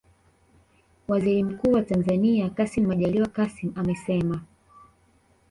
Waziri Mkuu wa Tanzania Kassim Majaliwa Kassim amesema